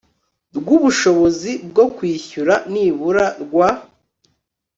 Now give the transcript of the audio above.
rw ubushobozi bwo kwishyura nibura rwa